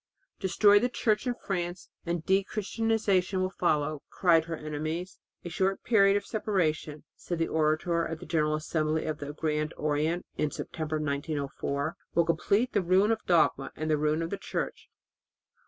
"Destroy the Church in France, and dechristianization will follow," cried her enemies. "A short period of separation," said an orator at the general assembly of the Grand Orient in September 1904, "will complete the ruin of dogma, and the ruin of Church."